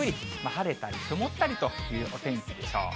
晴れたり曇ったりというお天気でしょう。